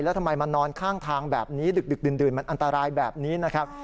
แล้วทำไมมานอนข้างทางแบบนี้ดึกดื่นมันอันตรายแบบนี้นะครับ